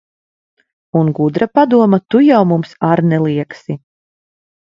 Un gudra padoma tu jau mums ar neliegsi.